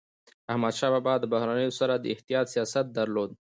احمدشاه بابا د بهرنيانو سره د احتیاط سیاست درلود.